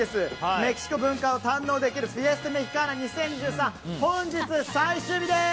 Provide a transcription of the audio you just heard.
メキシコ文化を堪能できるフィエスタ・メヒカーナ２０２３本日最終日です！